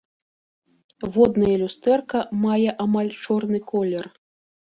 Воднае люстэрка мае амаль чорны колер.